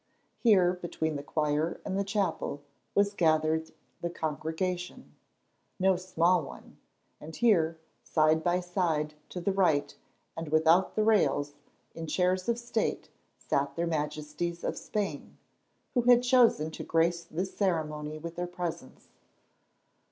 Here, between the choir and the chapel, was gathered the congregation—no small one—and here, side by side to the right and without the rails, in chairs of state, sat their Majesties of Spain, who had chosen to grace this ceremony with their presence.